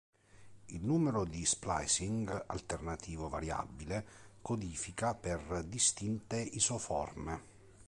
Un numero di splicing alternativo variabile codifica per distinte isoforme.